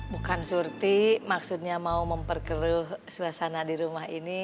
bukan surti maksudnya mau memperkeruh suasana di rumah ini